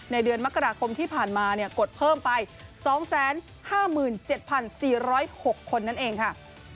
เดือนมกราคมที่ผ่านมากดเพิ่มไป๒๕๗๔๐๖คนนั่นเองค่ะ